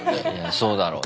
そうだろうな。